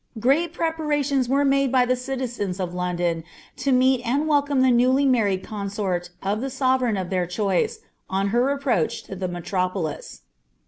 Great prepatalioUB were made by the citizens of London la mcdai welcome the newly married consort of the sovereign of their cIkmcc *■ her approach to the metropolis.